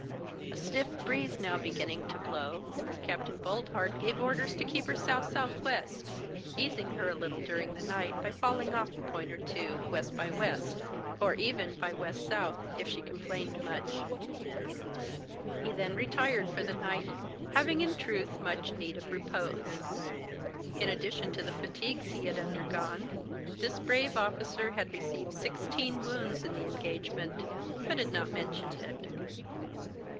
A stiff breeze now beginning to blow, Capt. Boldheart gave orders to keep her S.S.W., easing her a little during the night by falling off a point or two W. by W., or even by W.S., if she complained much. He then retired for the night, having in truth much need of repose. In addition to the fatigues he had undergone, this brave officer had received sixteen wounds in the engagement, but had not mentioned it.